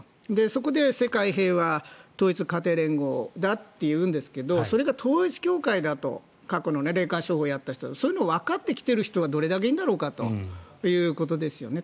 そこで世界平和統一家庭連合だと言うんですがそれが統一教会だと過去の霊感商法をやったそういうのをわかってきている人はどれくらいいるんだということですよね。